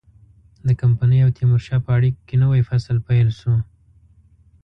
د کمپنۍ او تیمورشاه په اړیکو کې نوی فصل پیل شو.